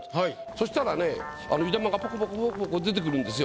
そしたらね湯玉がポコポコポコポコ出てくるんですよ。